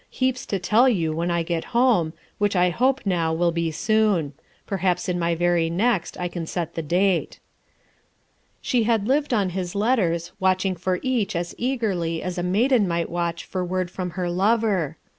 Heaps to tell you when I get home, which I hope now will be soon. Perhaps in my very next I can set the date." She had lived on his letters, watching for each as eagerly as a maiden might watch for word from her lover.